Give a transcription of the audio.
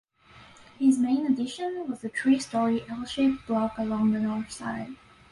His main addition was the three-storey L-shaped block along the north side.